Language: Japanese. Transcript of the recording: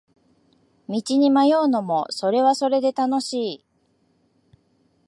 道に迷うのもそれはそれで楽しい